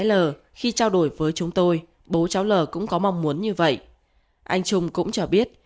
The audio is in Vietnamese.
lờ khi trao đổi với chúng tôi bố cháu l cũng có mong muốn như vậy anh trung cũng cho biết